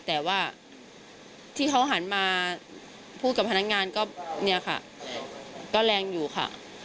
แต่ว่าที่เขาหันมาพูดกับพนักงานก็เนี่ยค่ะก็แรงอยู่ค่ะ